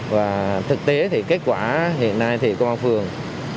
và thực tế thì kết quả hiện nay thì công an phường